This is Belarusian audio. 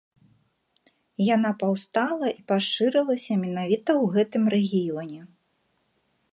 Яна паўстала і пашырылася менавіта ў гэтым рэгіёне.